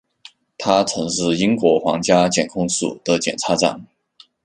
他曾是英国皇家检控署的检察长。